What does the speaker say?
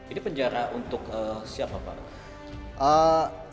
ini penjara untuk siapa pak